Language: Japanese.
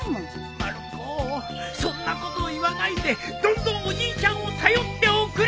まる子そんなこと言わないでどんどんおじいちゃんを頼っておくれ。